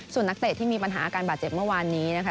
ส่วนนักเตะที่มีปัญหาอาการบาดเจ็บเมื่อวานนี้นะคะ